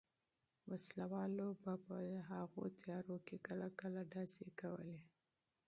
وسله والو به په هغو تیارو کې کله کله ډزې کولې.